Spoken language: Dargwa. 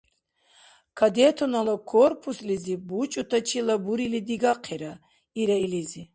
– Кадетунала корпуслизиб бучӀутачила бурили дигахъира, – ира илизи.